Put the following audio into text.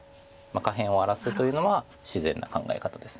下辺を荒らすというのは自然な考え方です。